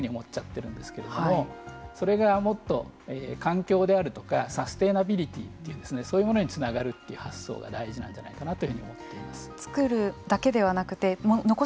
日本人は今あるものを長く続けることをノスタルジックに思っちゃっているんですけれどもそれがもっと環境であるとかサステナビリティというそういうものにつながるという発想が大事じゃないかというふうに思っています。